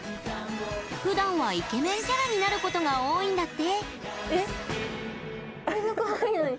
ふだんはイケメンキャラになることが多いんだって。